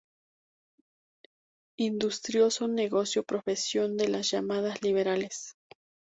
industrioso negocio, profesión de las llamadas liberales